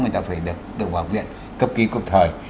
người ta phải được vào viện cấp ký cấp thời